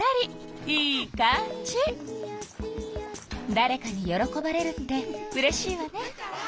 だれかに喜ばれるってうれしいわね。